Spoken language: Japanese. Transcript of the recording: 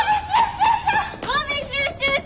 ゴミ収集車！